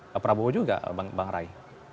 pak prabowo juga bang rai